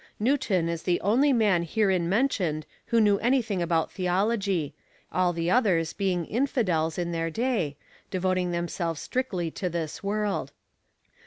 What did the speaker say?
Newton is the only man herein mentioned who knew anything about theology, all the others being "infidels" in their day, devoting themselves strictly to this world.